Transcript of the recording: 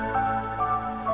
kamu terus ngeliat janji sama dia